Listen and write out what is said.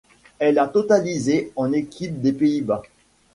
Elle a totalisé en équipe des Pays-Bas.